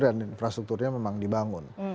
dan infrastrukturnya memang dibangun